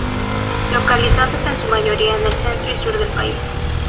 Localizados en su mayoría en el centro y sur del país.